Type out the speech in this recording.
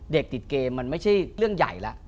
ติดเกมมันไม่ใช่เรื่องใหญ่แล้ว